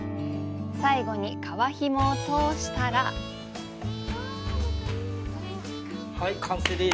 最後に革ひもを通したらはい、完成です。